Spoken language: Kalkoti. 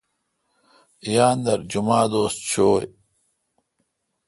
یاندر جمعہ دوس چویں۔